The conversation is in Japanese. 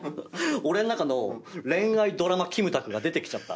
俺ん中の恋愛ドラマキムタクが出てきちゃった。